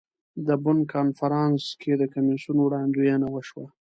د بن کنفرانس کې د کمیسیون وړاندوینه وشوه.